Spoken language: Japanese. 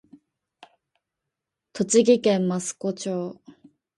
栃木県益子町